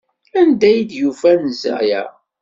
Anda ay d-yufa anza-a?